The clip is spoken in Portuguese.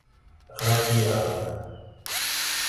rateada